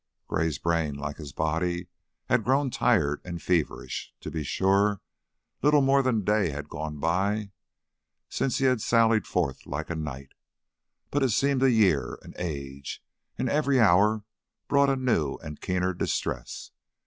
Gray's brain, like his body, had grown tired and feverish. To be sure, little more than a day had gone by since he had sallied forth like a knight, but it seemed a year, an age, and every hour brought a new and keener distress.